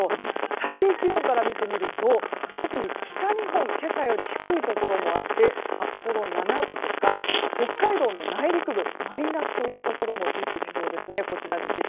最低気温から見てみると特に北日本今朝より低いところもあって札幌、７度とか北海道の内陸部はマイナスというところも出てきそうですね。